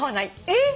えっ！